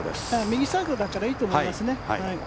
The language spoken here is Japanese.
右サイドだからいいと思いますね。